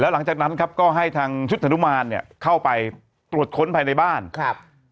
หลังจากนั้นครับก็ให้ทางชุดธนุมานเนี่ยเข้าไปตรวจค้นภายในบ้านครับ